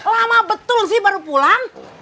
lama betul sih baru pulang